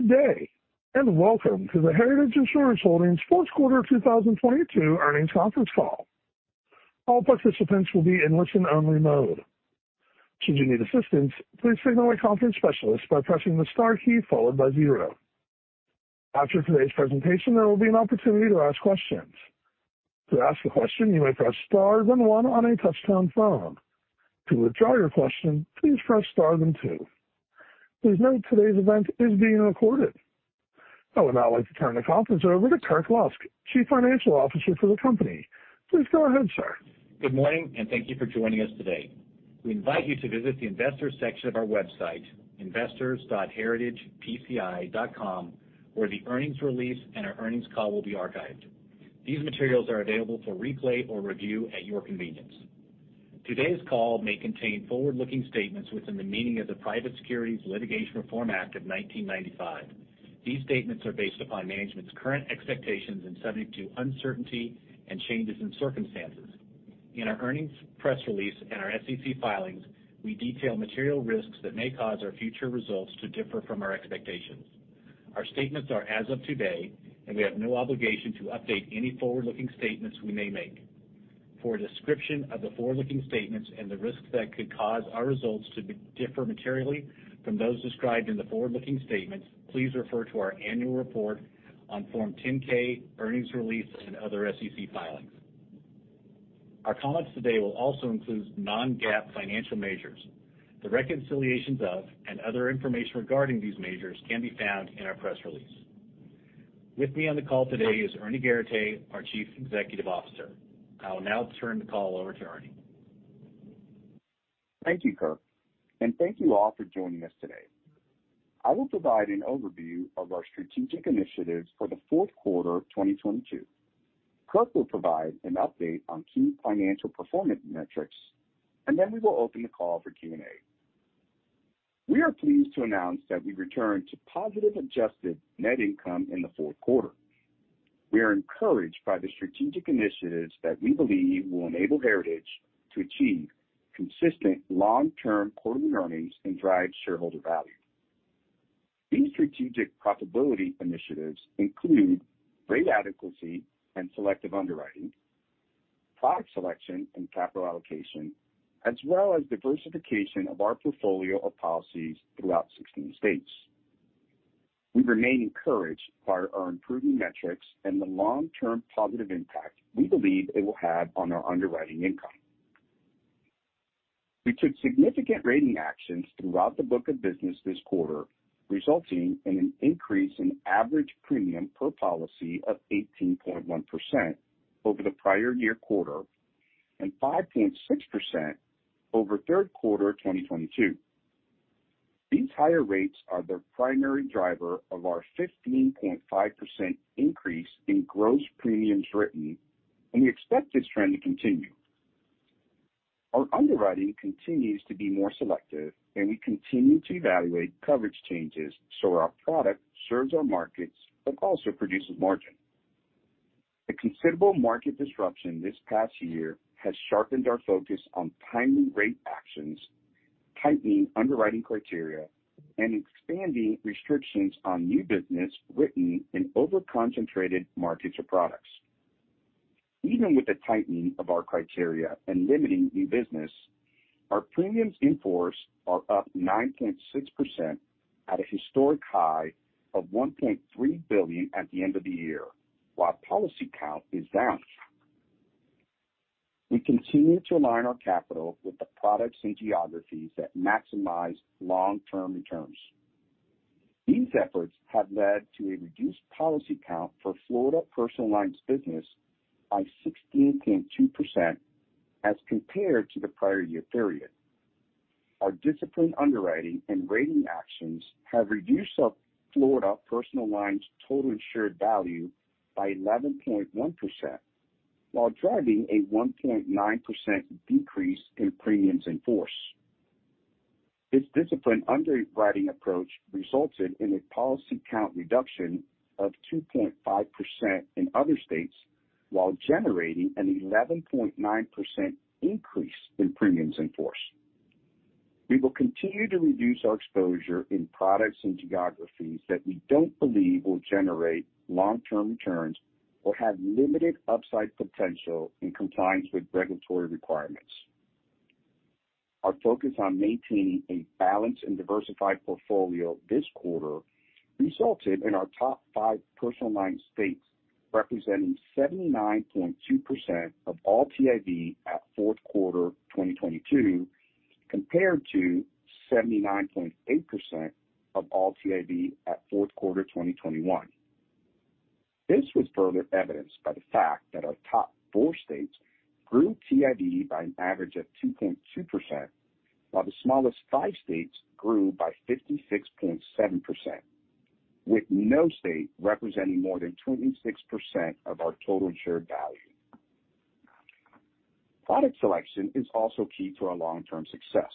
Good day, and welcome to the Heritage Insurance Holdings fourth quarter 2022 earnings conference call. All participants will be in listen-only mode. Should you need assistance, please signal a conference specialist by pressing the star key followed by zero. After today's presentation, there will be an opportunity to ask questions. To ask a question, you may press star then one on a touch-tone phone. To withdraw your question, please press star then two. Please note today's event is being recorded. I would now like to turn the conference over to Kirk Lusk, Chief Financial Officer for the company. Please go ahead, sir. Good morning, thank you for joining us today. We invite you to visit the Investors section of our website, investors.heritagepci.com, where the earnings release and our earnings call will be archived. These materials are available for replay or review at your convenience. Today's call may contain forward-looking statements within the meaning of the Private Securities Litigation Reform Act of 1995. These statements are based upon management's current expectations and subject to uncertainty and changes in circumstances. In our earnings press release and our SEC filings, we detail material risks that may cause our future results to differ from our expectations. Our statements are as of today, and we have no obligation to update any forward-looking statements we may make. For a description of the forward-looking statements and the risks that could cause our results to differ materially from those described in the forward-looking statements, please refer to our Annual Report on Form 10-K earnings release and other SEC filings. Our comments today will also include non-GAAP financial measures. The reconciliations of and other information regarding these measures can be found in our press release. With me on the call today is Ernie Garateix, our Chief Executive Officer. I will now turn the call over to Ernie. Thank you, Kirk, and thank you all for joining us today. I will provide an overview of our strategic initiatives for the fourth quarter of 2022. Kirk will provide an update on key financial performance metrics, and then we will open the call for Q&A. We are pleased to announce that we returned to positive adjusted net income in the fourth quarter. We are encouraged by the strategic initiatives that we believe will enable Heritage to achieve consistent long-term quarterly earnings and drive shareholder value. These strategic profitability initiatives include rate adequacy and selective underwriting, product selection and capital allocation, as well as diversification of our portfolio of policies throughout 16 states. We remain encouraged by our improving metrics and the long-term positive impact we believe it will have on our underwriting income. We took significant rating actions throughout the book of business this quarter, resulting in an increase in average premium per policy of 18.1% over the prior year quarter and 5.6% over third quarter 2022. These higher rates are the primary driver of our 15.5% increase in gross premiums written, and we expect this trend to continue. Our underwriting continues to be more selective, and we continue to evaluate coverage changes so our product serves our markets but also produces margin. The considerable market disruption this past year has sharpened our focus on timely rate actions, tightening underwriting criteria, and expanding restrictions on new business written in over-concentrated markets or products. Even with the tightening of our criteria and limiting new business, our premiums in force are up 9.6% at a historic high of $1.3 billion at the end of the year, while policy count is down. We continue to align our capital with the products and geographies that maximize long-term returns. These efforts have led to a reduced policy count for Florida personal lines business by 16.2% as compared to the prior year period. Our disciplined underwriting and rating actions have reduced our Florida personal lines total insured value by 11.1% while driving a 1.9% decrease in premiums in force. This disciplined underwriting approach resulted in a policy count reduction of 2.5% in other states while generating an 11.9% increase in premiums in force. We will continue to reduce our exposure in products and geographies that we don't believe will generate long-term returns or have limited upside potential in compliance with regulatory requirements. Our focus on maintaining a balanced and diversified portfolio this quarter resulted in our top five personal line states representing 79.2% of all TIV at fourth quarter 2022, compared to 79.8% of all TIV at fourth quarter 2021. This was further evidenced by the fact that our top four states grew TIV by an average of 2.2%, while the smallest five states grew by 56.7%, with no state representing more than 26% of our total insured value. Product selection is also key to our long-term success.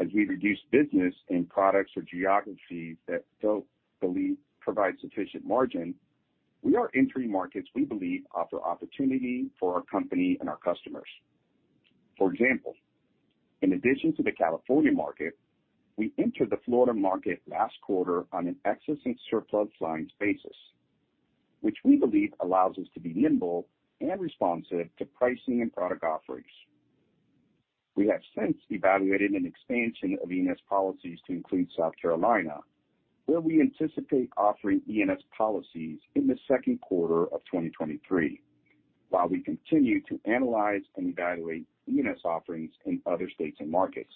As we reduce business in products or geographies that don't believe provide sufficient margin, we are entering markets we believe offer opportunity for our company and our customers. For example, in addition to the California market, we entered the Florida market last quarter on an excess and surplus lines basis, which we believe allows us to be nimble and responsive to pricing and product offerings. We have since evaluated an expansion of E&S policies to include South Carolina, where we anticipate offering E&S policies in the second quarter of 2023, while we continue to analyze and evaluate E&S offerings in other states and markets.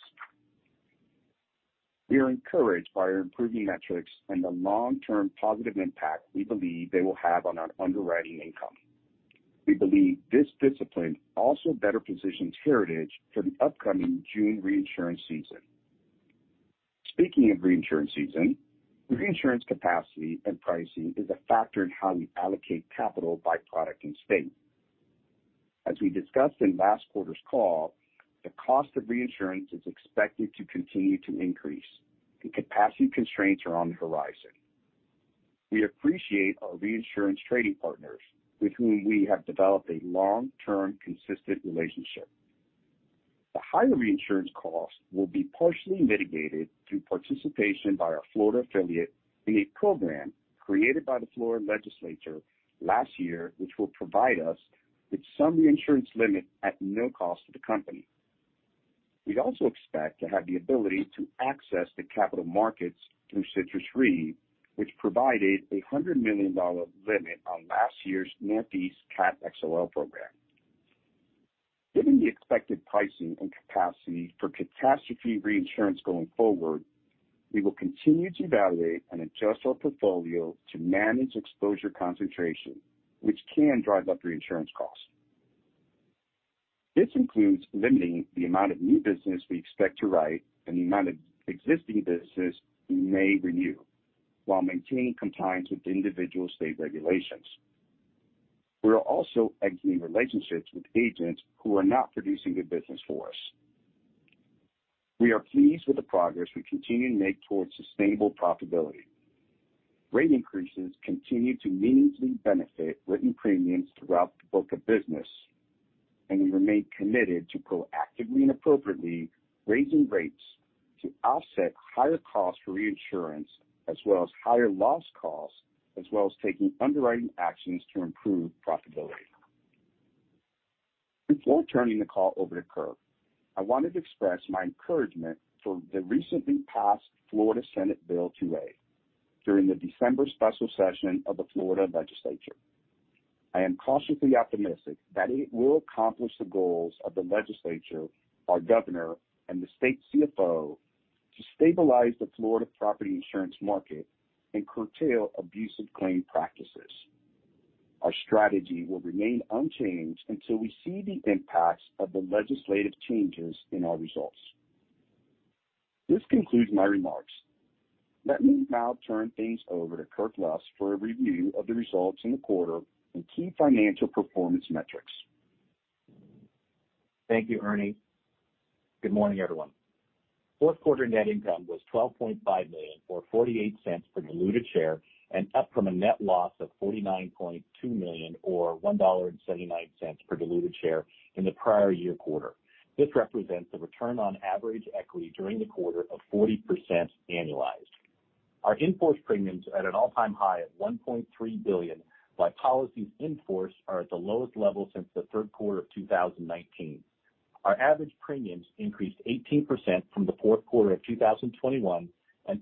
We are encouraged by our improving metrics and the long-term positive impact we believe they will have on our underwriting income. We believe this discipline also better positions Heritage for the upcoming June reinsurance season. Speaking of reinsurance season, reinsurance capacity and pricing is a factor in how we allocate capital by product and state. As we discussed in last quarter's call, the cost of reinsurance is expected to continue to increase, and capacity constraints are on the horizon. We appreciate our reinsurance trading partners, with whom we have developed a long-term, consistent relationship. The higher reinsurance costs will be partially mitigated through participation by our Florida affiliate in a program created by the Florida Legislature last year, which will provide us with some reinsurance limit at no cost to the company. We'd also expect to have the ability to access the capital markets through Citrus Re, which provided a $100 million limit on last year's Northeast Cat XOL program. Given the expected pricing and capacity for catastrophe reinsurance going forward, we will continue to evaluate and adjust our portfolio to manage exposure concentration, which can drive up reinsurance costs. This includes limiting the amount of new business we expect to write and the amount of existing business we may renew while maintaining compliance with individual state regulations. We are also exiting relationships with agents who are not producing good business for us. We are pleased with the progress we continue to make towards sustainable profitability. Rate increases continue to meaningfully benefit written premiums throughout the book of business, and we remain committed to proactively and appropriately raising rates to offset higher costs for reinsurance as well as higher loss costs, as well as taking underwriting actions to improve profitability. Before turning the call over to Kirk, I wanted to express my encouragement for the recently passed Florida Senate Bill 2A during the December special session of the Florida Legislature. I am cautiously optimistic that it will accomplish the goals of the Legislature, our Governor, and the State CFO to stabilize the Florida property insurance market and curtail abusive claim practices. Our strategy will remain unchanged until we see the impacts of the legislative changes in our results. This concludes my remarks. Let me now turn things over to Kirk Lusk for a review of the results in the quarter and key financial performance metrics. Thank you, Ernie. Good morning, everyone. Fourth quarter net income was $12.5 million, or $0.48 per diluted share, up from a net loss of $49.2 million or $1.79 per diluted share in the prior-year quarter. This represents a return on average equity during the quarter of 40% annualized. Our in-force premiums are at an all-time high of $1.3 billion, while policies in force are at the lowest level since the third quarter of 2019. Our average premiums increased 18% from the fourth quarter of 2021.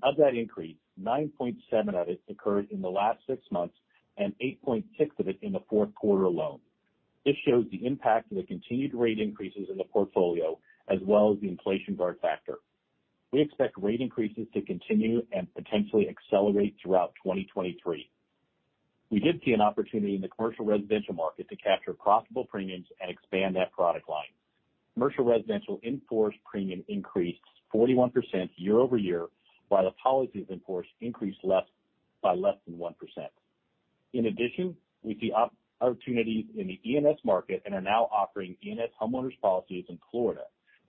Of that increase, 9.7% of it occurred in the last six months and 8.6% of it in the fourth quarter alone. This shows the impact of the continued rate increases in the portfolio as well as the Inflation Guard factor. We expect rate increases to continue and potentially accelerate throughout 2023. We did see an opportunity in the commercial residential market to capture profitable premiums and expand that product line. Commercial residential in-force premium increased 41% year-over-year, while the policies in force increased by less than 1%. We see opportunities in the E&S market and are now offering E&S homeowners policies in Florida,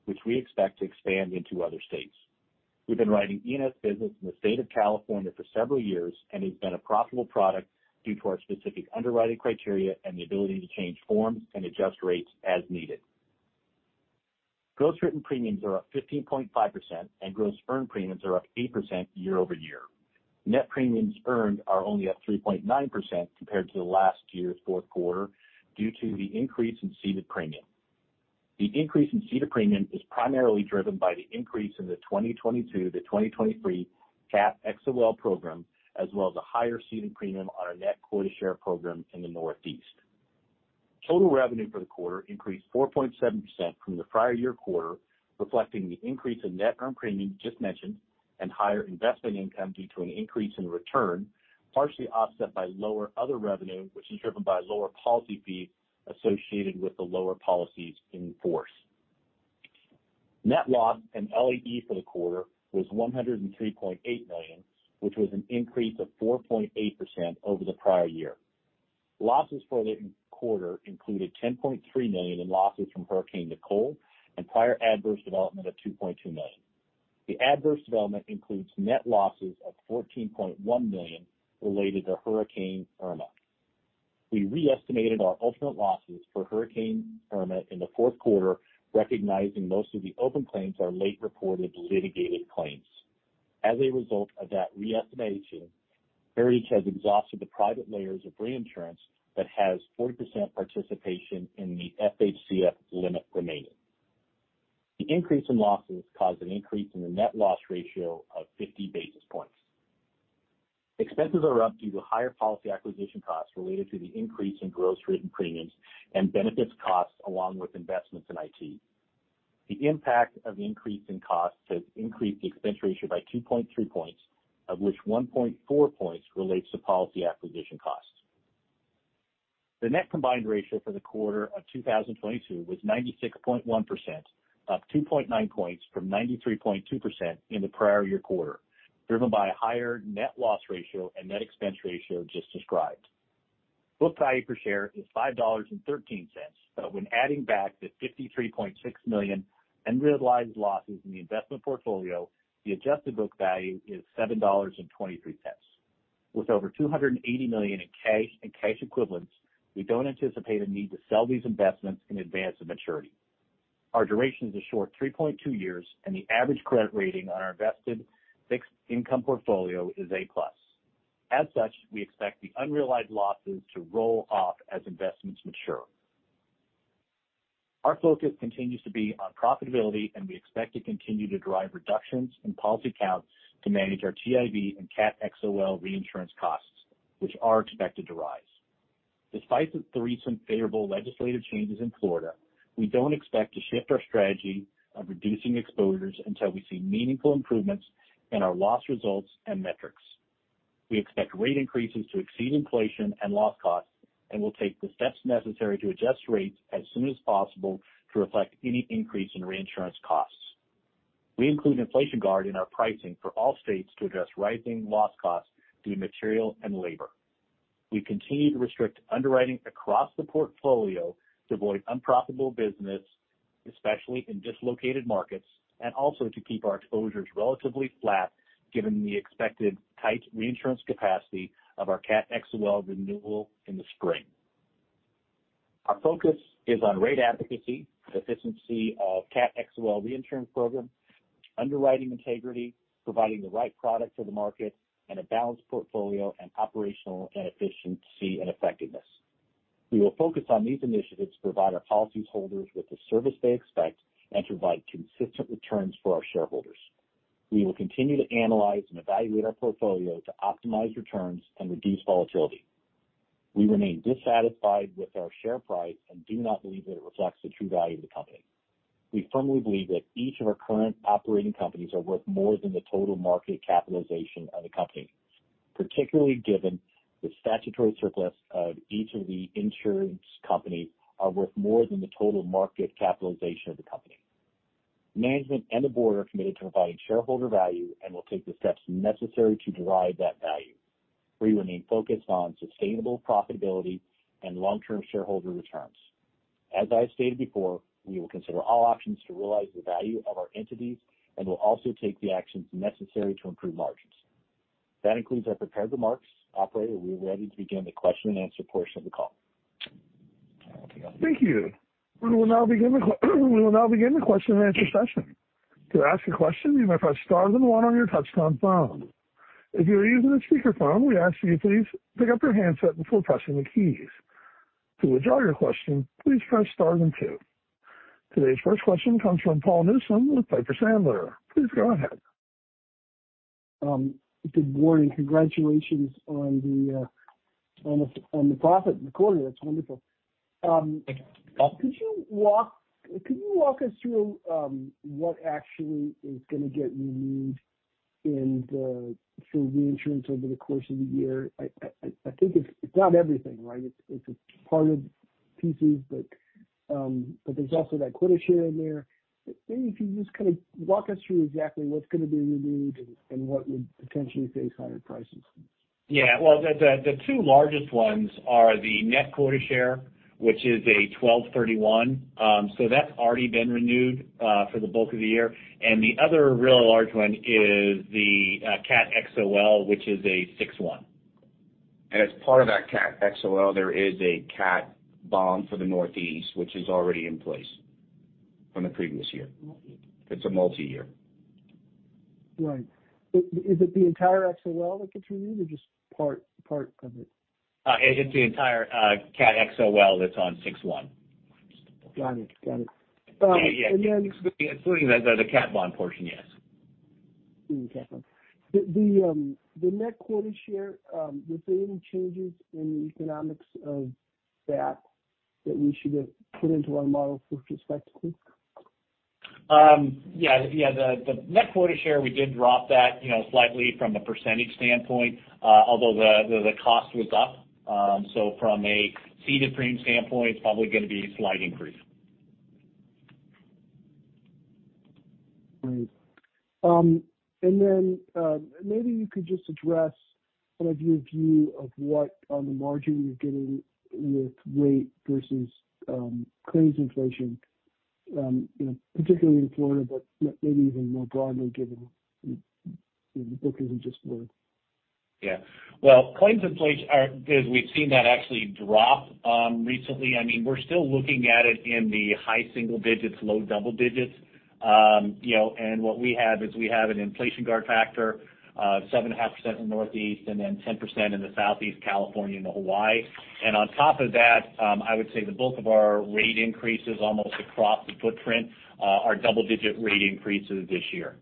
which we expect to expand into other states. We've been writing E&S business in the state of California for several years, it's been a profitable product due to our specific underwriting criteria and the ability to change forms and adjust rates as needed. Gross written premiums are up 15.5%, gross earned premiums are up 8% year-over-year. Net premiums earned are only up 3.9% compared to last year's fourth quarter due to the increase in ceded premium. The increase in ceded premium is primarily driven by the increase in the 2022-2023 Cat XOL program, as well as a higher ceded premium on our net quota share program in the Northeast. Total revenue for the quarter increased 4.7% from the prior year quarter, reflecting the increase in net earned premium just mentioned and higher investment income due to an increase in return, partially offset by lower other revenue, which is driven by lower policy fees associated with the lower policies in force. Net loss and LAE for the quarter was $103.8 million, which was an increase of 4.8% over the prior year. Losses for the quarter included $10.3 million in losses from Hurricane Nicole and prior adverse development of $2.2 million. The adverse development includes net losses of $14.1 million related to Hurricane Irma. We re-estimated our ultimate losses for Hurricane Irma in the fourth quarter, recognizing most of the open claims are late reported litigated claims. As a result of that re-estimation, Heritage has exhausted the private layers of reinsurance that has 40% participation in the FHCF limit remaining. The increase in losses caused an increase in the net loss ratio of 50 basis points. Expenses are up due to higher policy acquisition costs related to the increase in gross written premiums and benefits costs along with investments in IT. The impact of the increase in costs has increased the expense ratio by 2.3 points, of which 1.4 points relates to policy acquisition costs. The net combined ratio for the quarter of 2022 was 96.1%, up 2.9 points from 93.2% in the prior year quarter, driven by a higher net loss ratio and net expense ratio just described. Book value per share is $5.13, but when adding back the $53.6 million unrealized losses in the investment portfolio, the adjusted book value is $7.23. With over $280 million in cash and cash equivalents, we don't anticipate a need to sell these investments in advance of maturity. Our duration is a short 3.2 years, and the average credit rating on our invested fixed income portfolio is A+. As such, we expect the unrealized losses to roll off as investments mature. Our focus continues to be on profitability, and we expect to continue to drive reductions in policy counts to manage our TIV and Cat XOL reinsurance costs, which are expected to rise. Despite the recent favorable legislative changes in Florida, we don't expect to shift our strategy of reducing exposures until we see meaningful improvements in our loss results and metrics. We expect rate increases to exceed inflation and loss costs, and we'll take the steps necessary to adjust rates as soon as possible to reflect any increase in reinsurance costs. We include Inflation Guard in our pricing for all states to address rising loss costs due to material and labor. We continue to restrict underwriting across the portfolio to avoid unprofitable business, especially in dislocated markets, and also to keep our exposures relatively flat given the expected tight reinsurance capacity of our Cat XOL renewal in the spring. Our focus is on rate adequacy, the efficiency of Cat XOL reinsurance program, underwriting integrity, providing the right product for the market, and a balanced portfolio and operational and efficiency and effectiveness. We will focus on these initiatives to provide our policyholders with the service they expect and to provide consistent returns for our shareholders. We will continue to analyze and evaluate our portfolio to optimize returns and reduce volatility. We remain dissatisfied with our share price and do not believe that it reflects the true value of the company. We firmly believe that each of our current operating companies are worth more than the total market capitalization of the company, particularly given the statutory surplus of each of the insurance company are worth more than the total market capitalization of the company. Management and the board are committed to providing shareholder value and will take the steps necessary to derive that value. We remain focused on sustainable profitability and long-term shareholder returns. As I stated before, we will consider all options to realize the value of our entities and will also take the actions necessary to improve margins. That concludes our prepared remarks. Operator, we are ready to begin the question-and-answer portion of the call. Thank you. We will now begin the question-and-answer session. To ask a question, you may press star then one on your touch-tone phone. If you're using a speakerphone, we ask that you please pick up your handset before pressing the keys. To withdraw your question, please press star then two. Today's first question comes from Paul Newsome with Piper Sandler. Please go ahead. Good morning. Congratulations on the profit in the quarter. That's wonderful. Thank you. Could you walk us through what actually is gonna get renewed for reinsurance over the course of the year? I think it's not everything, right? It's part of pieces, but there's also that quota share in there. Maybe if you can just kind of walk us through exactly what's gonna be renewed and what would potentially face higher prices? Yeah. Well, the two largest ones are the net quota share, which is a 12/31. That's already been renewed for the bulk of the year. The other real large one is the Cat XOL, which is a 6/1. As part of that Cat XOL, there is a cat bond for the Northeast, which is already in place from the previous year. Multi-year. It's a multi-year. Right. Is it the entire XOL that gets renewed or just part of it? It's the entire Cat XOL that's on 6/1. Got it. Got it. Yeah, yeah. And then- Including the cat bond portion, yes. Including the cat bond. The net quota share, was there any changes in the economics of that we should put into our model for perspective? Yeah, yeah. The net quota share, we did drop that, you know, slightly from the percentage standpoint, although the cost was up. From a ceded premium standpoint, it's probably gonna be a slight increase. Right. Then, maybe you could just address kind of your view of what, on the margin you're getting with rate versus, claims inflation, you know, particularly in Florida, but maybe even more broadly given the book isn't just Florida. Well, claims inflation because we've seen that actually drop recently. I mean, we're still looking at it in the high single digits, low double digits. You know, what we have is we have an Inflation Guard factor of 7.5% in Northeast and then 10% in the Southeast, California, and Hawaii. On top of that, I would say the bulk of our rate increases almost across the footprint are double-digit rate increases this year.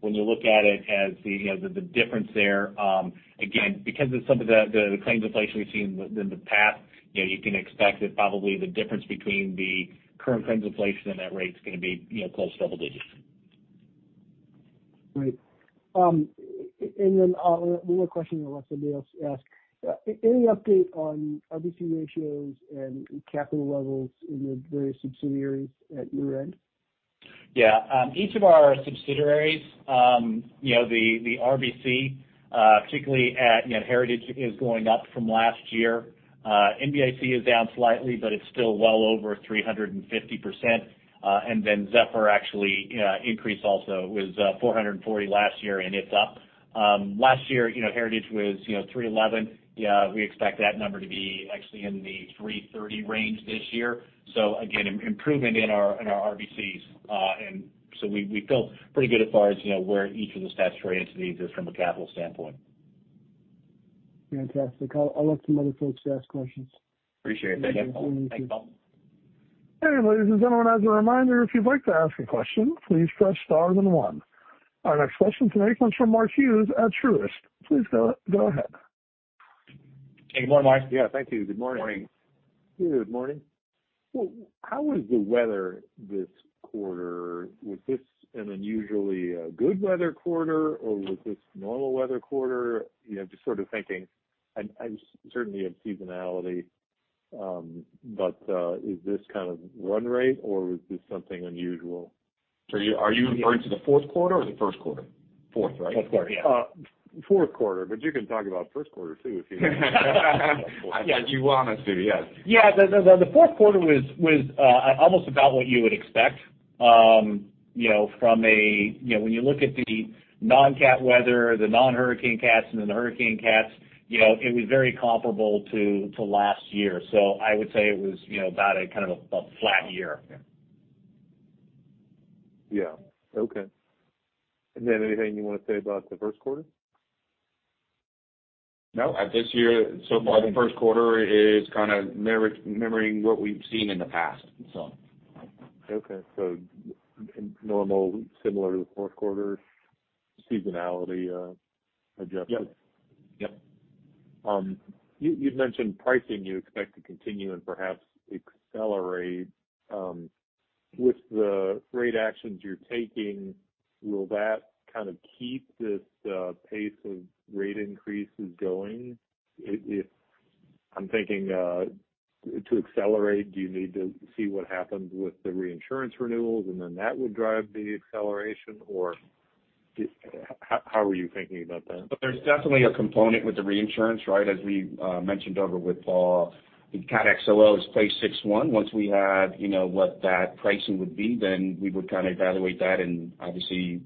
When you look at it as the, you know, the difference there, again, because of some of the claims inflation we've seen in the past, you know, you can expect that probably the difference between the current claims inflation and that rate's gonna be, you know, close to double digits. Right. One more question I'll also ask. Any update on RBC ratios and capital levels in the various subsidiaries at year-end? Yeah. Each of our subsidiaries, you know, the RBC, particularly at, you know, Heritage is going up from last year. NBIC is down slightly, but it's still well over 350%. Zephyr actually increased also. It was 440 last year, and it's up. Last year, you know, Heritage was, you know, 311. We expect that number to be actually in the 330 range this year. Again, improvement in our, in our RBCs. We feel pretty good as far as, you know, where each of the statutory entities is from a capital standpoint. Fantastic. I'll let some other folks ask questions. Appreciate it. Thank you. Thank you. Hey, ladies and gentlemen, as a reminder, if you'd like to ask a question, please press star then one. Our next question tonight comes from Mark Hughes at Truist. Please go ahead. Good morning, Mark. Yeah, thank you. Good morning. Morning. Hey, good morning. How was the weather this quarter? Was this an unusually good weather quarter, or was this normal weather quarter? You know, just sort of thinking. I certainly have seasonality, but is this kind of run rate or was this something unusual? Are you referring to the fourth quarter or the first quarter? Fourth, right? Fourth quarter, yeah. Fourth quarter, but you can talk about first quarter too if you'd like. If you want us to, yes. Yeah. The fourth quarter was almost about what you would expect, you know, from a, you know, when you look at the non-Cat weather, the non-hurricane Cats and then the hurricane Cats, you know, it was very comparable to last year. I would say it was, you know, about a kind of a flat year. Yeah. Okay. Anything you wanna say about the first quarter? No. At this year, so far the first quarter is kind of mirroring what we've seen in the past, so. Okay. normal, similar to the fourth quarter seasonality, adjustment? Yep. Yep. You'd mentioned pricing you expect to continue and perhaps accelerate. With the rate actions you're taking, will that kind of keep this pace of rate increases going? If I'm thinking to accelerate, do you need to see what happens with the reinsurance renewals, and then that would drive the acceleration, or how are you thinking about that? There's definitely a component with the reinsurance, right? As we mentioned over with the Cat XOL is play 6/1. Once we have, you know, what that pricing would be, then we would kind of evaluate that and obviously,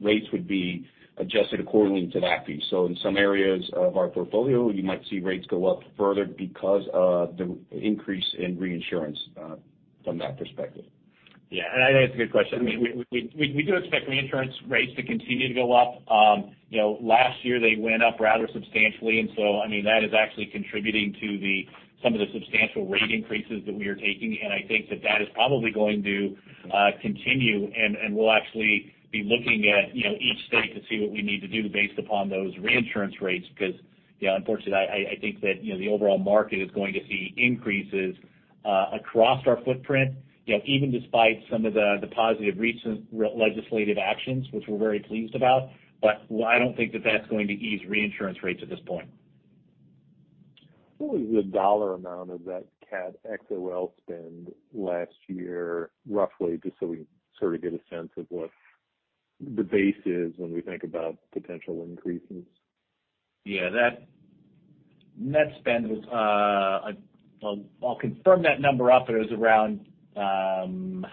rates would be adjusted accordingly to that piece. In some areas of our portfolio, you might see rates go up further because of the increase in reinsurance from that perspective. I think that's a good question. I mean, we do expect reinsurance rates to continue to go up. You know, last year they went up rather substantially, I mean, that is actually contributing to some of the substantial rate increases that we are taking. I think that that is probably going to continue, and we'll actually be looking at, you know, each state to see what we need to do based upon those reinsurance rates. You know, unfortunately, I think that, you know, the overall market is going to see increases across our footprint, you know, even despite some of the positive recent legislative actions, which we're very pleased about. I don't think that that's going to ease reinsurance rates at this point. What was the dollar amount of that Cat XOL spend last year, roughly, just so we sort of get a sense of what the base is when we think about potential increases? Yeah. That net spend was, I'll confirm that number up, but it was around, one second. Yeah,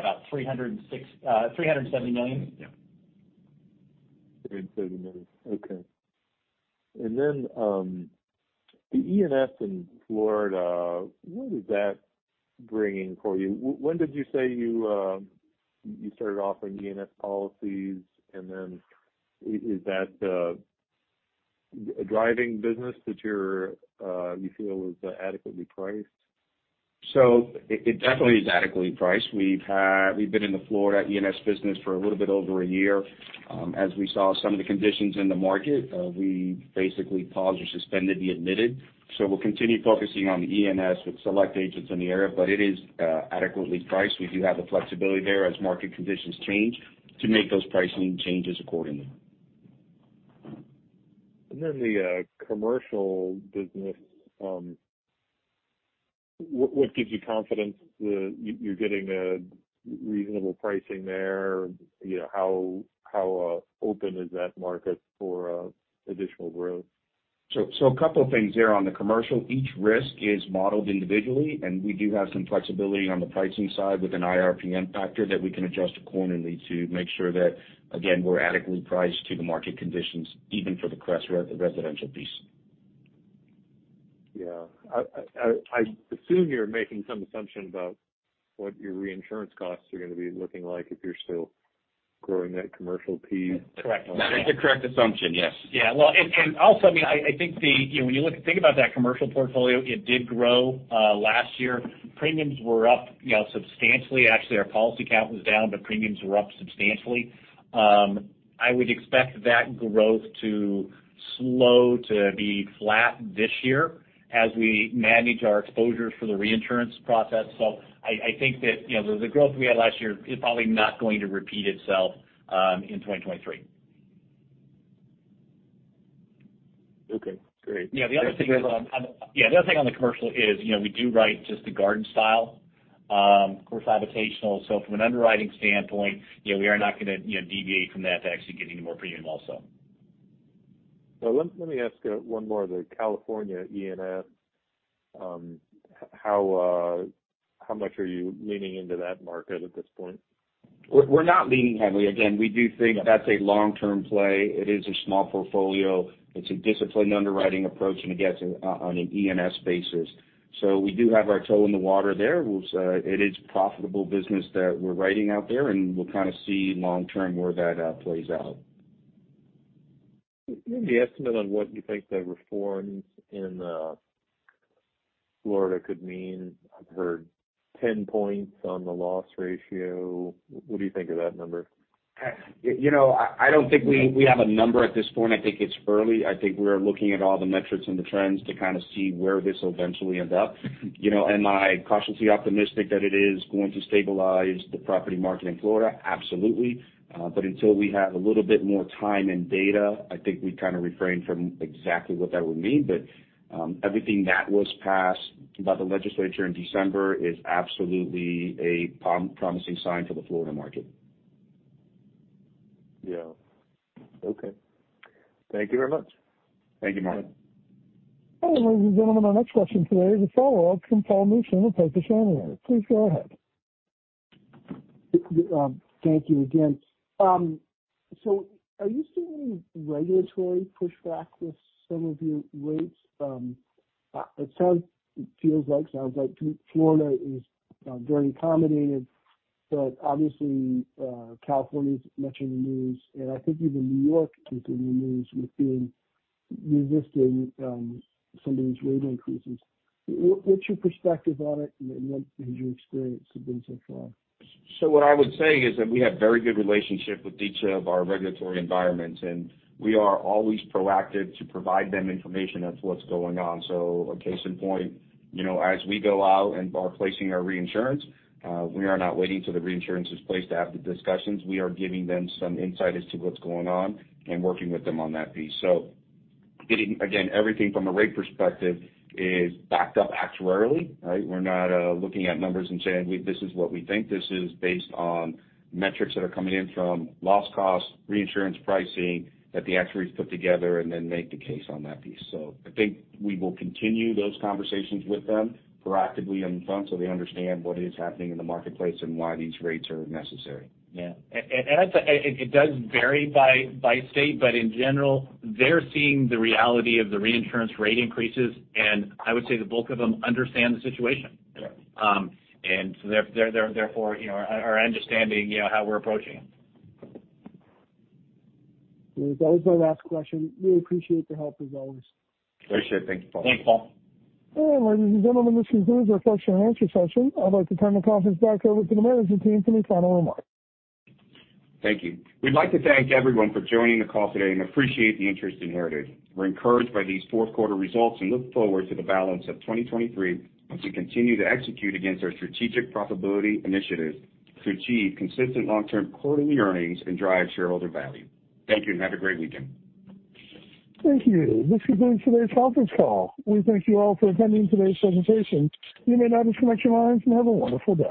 about $370 million. Yeah. $370 million. Okay. Then, the E&S in Florida, what is that bringing for you? When did you say you started offering E&S policies, and then is that a driving business that you feel is adequately priced? It definitely is adequately priced. We've been in the Florida E&S business for a little bit over a year. As we saw some of the conditions in the market, we basically paused or suspended the admitted. We'll continue focusing on the E&S with select agents in the area, but it is adequately priced. We do have the flexibility there as market conditions change to make those pricing changes accordingly. The commercial business, what gives you confidence that you're getting a reasonable pricing there? You know, how open is that market for additional growth? A couple of things there. On the commercial, each risk is modeled individually, and we do have some flexibility on the pricing side with an IRPN factor that we can adjust quarterly to make sure that, again, we're adequately priced to the market conditions, even for the Citrus Re residential piece. Yeah. I assume you're making some assumption about what your reinsurance costs are gonna be looking like if you're still growing that commercial piece. Correct. That's the correct assumption, yes. Yeah. Well, also, I mean, I think the, you know, when you look and think about that commercial portfolio, it did grow last year. Premiums were up, you know, substantially. Actually, our policy count was down, but premiums were up substantially. I would expect that growth to slow to be flat this year as we manage our exposures for the reinsurance process. I think that, you know, the growth we had last year is probably not going to repeat itself in 2023. Okay, great. Yeah. The other thing on the commercial is, you know, we do write just a garden style, of course, habitational. From an underwriting standpoint, you know, we are not gonna, you know, deviate from that to actually getting more premium also. Well, let me ask one more. The California E&S, how much are you leaning into that market at this point? We're not leaning heavily. Again, we do think that's a long-term play. It is a small portfolio. It's a disciplined underwriting approach, and again, it's on an E&S basis. We do have our toe in the water there. We'll say it is profitable business that we're writing out there, and we'll kind of see long term where that plays out. Do you have the estimate on what you think the reforms in Florida could mean? I've heard 10 points on the loss ratio. What do you think of that number? You know, I don't think we have a number at this point. I think it's early. I think we're looking at all the metrics and the trends to kind of see where this will eventually end up. You know, am I cautiously optimistic that it is going to stabilize the property market in Florida? Absolutely. Until we have a little bit more time and data, I think we kind of refrain from exactly what that would mean. Everything that was passed by the legislature in December is absolutely a promising sign for the Florida market. Yeah. Okay. Thank you very much. Thank you, Mark. Hello, ladies and gentlemen, my next question today is a follow-up from Paul Newsome with Piper Sandler. Please go ahead. Thank you again. Are you seeing any regulatory pushback with some of your rates? Sounds like Florida is very accommodated, but obviously, California's much in the news, and I think even New York is in the news with being resistant, some of these rate increases. What's your perspective on it, and what has your experience been so far? What I would say is that we have very good relationship with each of our regulatory environments, and we are always proactive to provide them information as to what's going on. A case in point, you know, as we go out and are placing our reinsurance, we are not waiting till the reinsurance is placed to have the discussions. We are giving them some insight as to what's going on and working with them on that piece. Getting, again, everything from a rate perspective is backed up actuarially, right? We're not looking at numbers and saying, "This is what we think." This is based on metrics that are coming in from loss costs, reinsurance pricing that the actuaries put together and then make the case on that piece. I think we will continue those conversations with them proactively on the front, so they understand what is happening in the marketplace and why these rates are necessary. Yeah. It does vary by state, but in general, they're seeing the reality of the reinsurance rate increases, and I would say the bulk of them understand the situation. Yeah. They're, therefore, you know, are understanding, you know, how we're approaching it. That was my last question. Really appreciate the help as always. Appreciate it. Thank you, Paul. Thanks, Paul. Ladies and gentlemen, this concludes our question-and-answer session. I'd like to turn the conference back over to the management team for any final remarks. Thank you. We'd like to thank everyone for joining the call today and appreciate the interest in Heritage. We're encouraged by these fourth quarter results and look forward to the balance of 2023 as we continue to execute against our strategic profitability initiatives to achieve consistent long-term quarterly earnings and drive shareholder value. Thank you, and have a great weekend. Thank you. This concludes today's conference call. We thank you all for attending today's presentation. You may now disconnect your lines and have a wonderful day.